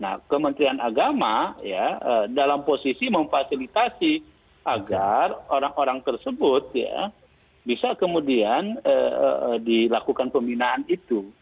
nah kementerian agama ya dalam posisi memfasilitasi agar orang orang tersebut ya bisa kemudian dilakukan pembinaan itu